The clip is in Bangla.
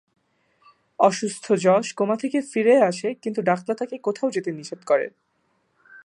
অসুস্থ যশ কোমা থেকে ফিরে আসে কিন্তু ডাক্তার তাকে কোথাও যেতে নিষেধ করে।